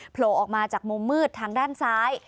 โผล่ออกมาจากมุมมืดทางด้านซ้าย